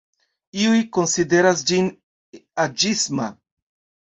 Iuj konsideras ĝin aĝisma.